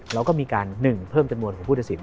เราก็มีการ๑เพิ่มจำนวนของผู้ตัดสิน